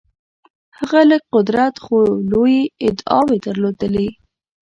هغه لږ قدرت خو لویې ادعاوې درلودلې.